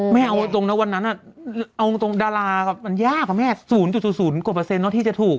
ไม่เอาตรงนั้นวันนั้นดาราก็ยากแล้วเปล่า๐๐๐ประเศนที่จะถูก